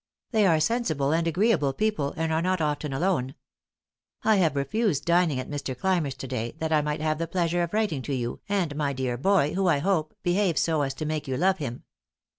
They are sensible and agreeable people, and are not often alone. I have refused dining at Mr. Clymer's today, that I might have the pleasure of writing to you and my dear boy, who, I hope, behaves so as to make you love him.